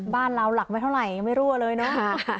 บ้านเราหลักไม่เท่าไหร่ยังไม่รั่วเลยเนอะ